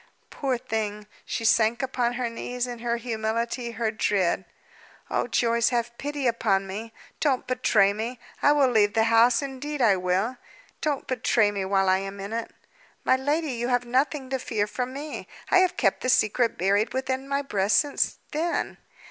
Poor thing! She sank upon her knees, in her humility, her dread. "Oh, Joyce, have pity upon me! don't betray me! I will leave the house; indeed I will. Don't betray me while I am in it!" "My lady, you have nothing to fear from me. I have kept the secret buried within my breast since then.